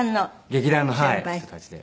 劇団の人たちで。